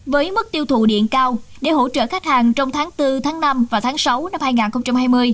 với mức tiêu thụ điện cao để hỗ trợ khách hàng trong tháng bốn tháng năm và tháng sáu năm hai nghìn hai mươi